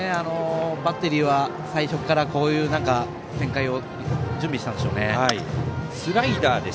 バッテリーは最初からこういう展開を準備してたんでしょうね。